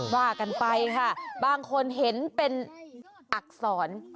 ว่ากันไปค่ะบางคนเห็นเป็นอักษร